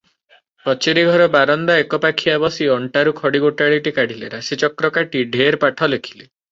କଚେରିଘର ବାରନ୍ଦା ଏକପାଖିଆ ବସି ଅଣ୍ଟାରୁ ଖଡ଼ି ଗୋଟାଳିଟି କାଢିଲେ, ରାଶିଚକ୍ର କାଟି ଢେର ପାଠ ଲେଖିଲେ ।